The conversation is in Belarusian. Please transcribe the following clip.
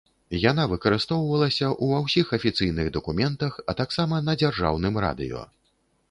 Яна выкарыстоўвалася ўва ўсіх афіцыйных дакументах, а таксама на дзяржаўным радыё.